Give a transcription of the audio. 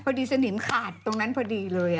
สนิมขาดตรงนั้นพอดีเลย